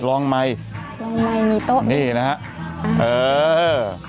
ลองไม่ลองไม่มีโต๊ะนี่นะฮะเอออือ